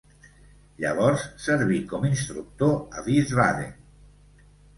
Llavors serví com instructor a Wiesbaden.